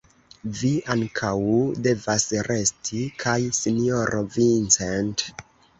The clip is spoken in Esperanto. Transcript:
Vi ankaŭ devas resti, kaj sinjoro Vincent.